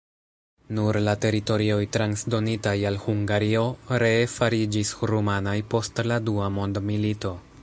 Nur la teritorioj transdonitaj al Hungario ree fariĝis rumanaj post la dua mondmilito.